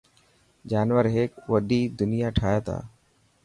جانور هيڪ وڏي دنيا ٺاهي تا.